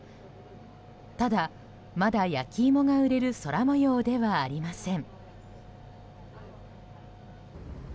ただ、まだ焼き芋が売れる空模様ではありません。